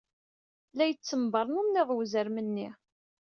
La yettembernenniḍ wezrem-nni.